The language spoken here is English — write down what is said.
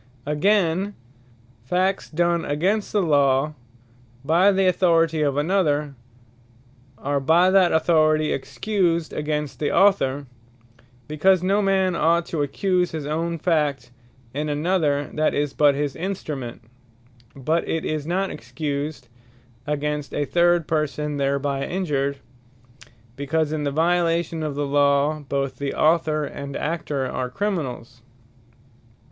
Excuses Against The Author Again, Facts done against the Law, by the authority of another, are by that authority Excused against the Author; because no man ought to accuse his own fact in another, that is but his instrument: but it is not Excused against a third person thereby injured; because in the violation of the law, bothe the Author, and Actor are Criminalls.